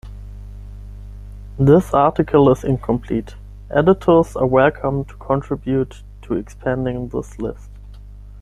This article is incomplete, editors are welcome to contribute to expanding this list.